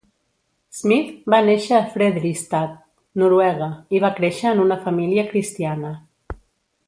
Smith va néixer a Fredrikstad, Noruega, i va créixer en una família cristiana.